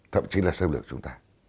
thậm chí là xâm lược chúng ta